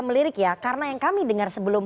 melirik ya karena yang kami dengar sebelum